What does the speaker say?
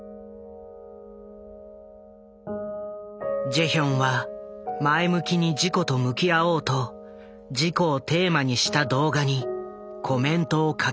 ジェヒョンは前向きに事故と向き合おうと事故をテーマにした動画にコメントを書き込んだ。